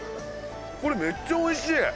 これめっちゃ美味しい！